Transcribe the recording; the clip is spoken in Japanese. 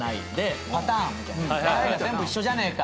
パターン全部一緒じゃねえか。